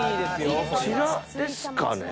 こちらですかね？